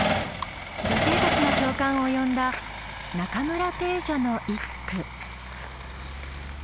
女性たちの共感を呼んだ中村汀女の一句。